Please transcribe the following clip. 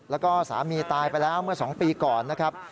แล้วก็สามีตายไปแล้วเมื่อ๒ปีก่อนนะครับ